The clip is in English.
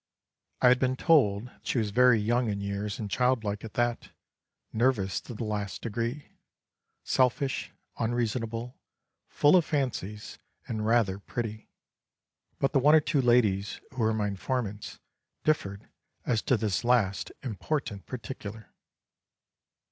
I had been told she was very young in years and child like at that, nervous to the last degree, selfish, unreasonable, full of fancies, and rather pretty but the one or two ladies who were my informants differed as to this last important particular.